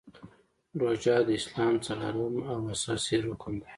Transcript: روژه د اسلام څلورم او اساسې رکن دی .